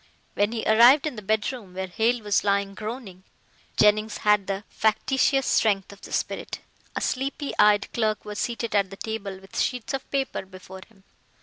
When he arrived in the bedroom where Hale was lying groaning, Jennings had the factitious strength of the spirit. A sleepy eyed clerk was seated at the table with sheets of paper before him.